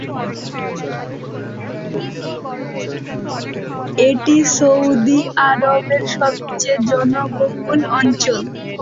এটি সৌদি আরবের সবচেয়ে জনবহুল অঞ্চল।